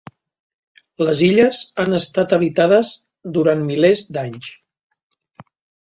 Les illes han estat habitades durant milers d'anys.